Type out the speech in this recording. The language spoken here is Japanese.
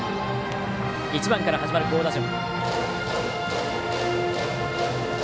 １番から始まる好打順。